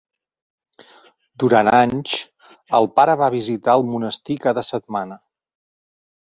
Durant anys, el pare va visitar el monestir cada setmana.